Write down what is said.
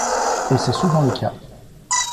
Et c’est souvent le cas.